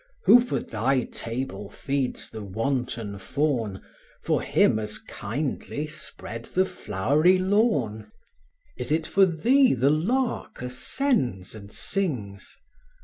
Who for thy table feeds the wanton fawn, For him as kindly spread the flowery lawn: Is it for thee the lark ascends and sings?